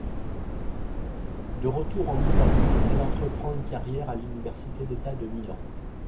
De retour en Italie, elle entreprend une carrière à l'Université d'État de Milan.